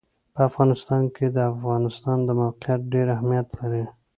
په افغانستان کې د افغانستان د موقعیت ډېر اهمیت لري.